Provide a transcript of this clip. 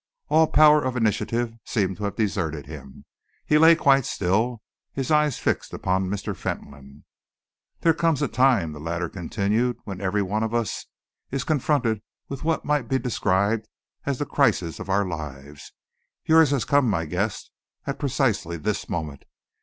All power of initiative seemed to have deserted him. He lay quite still, his eyes fixed upon Mr. Fentolin. "There comes a time," the latter continued, "when every one of us is confronted with what might be described as the crisis of our lives. Yours has come, my guest, at precisely this moment.